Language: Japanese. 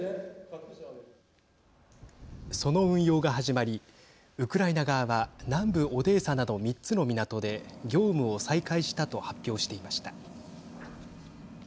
その運用が始まりウクライナ側は南部オデーサなど３つの港で業務を再開したと発表していました。